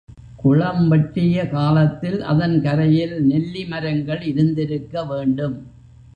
குளம் வெட்டிய காலத்தில் அதன் கரையில் நெல்லி மரங்கள் இருந்திருக்க வேண்டும்.